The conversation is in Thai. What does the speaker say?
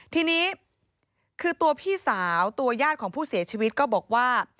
ทีนี้คือตัวพี่สาวตัวญาติของผู้เสียชีวิตก็บอกว่า